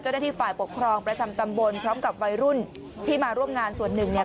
เจ้าหน้าที่ฝ่ายปกครองประจำตำบลพร้อมกับวัยรุ่นที่มาร่วมงานส่วนหนึ่งเนี่ย